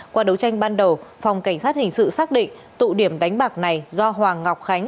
qua đấu tranh ban đầu phòng cảnh sát hình sự xác định tụ điểm đánh bạc này do hoàng ngọc khánh